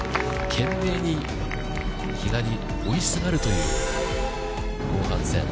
懸命に比嘉に追いすがるという後半戦。